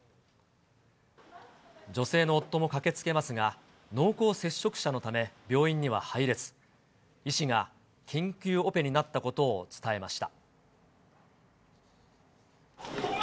女性の夫も駆けつけますが、濃厚接触者のため病院には入れず、医師が緊急オペになったことを伝えました。